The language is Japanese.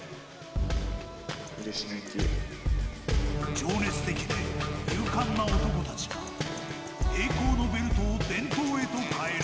情熱的で勇敢な男たちが栄光のベルトを伝統へと変える。